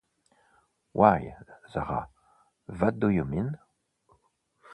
Why, Zahra, what do you mean?